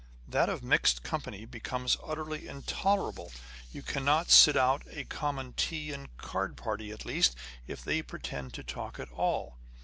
That of mixed company becomes utterly intolerable â€" you cannot sit out a common tea and card party, at least, if they pretend to talk at all.